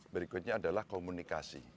berikutnya adalah komunikasi